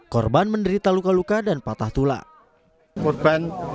korban menderita luka luka dan patah tulang